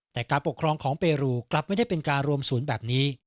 แต่การปกครองของเปรูกลับไม่ได้เป็นการรวมศูนย์แบบนี้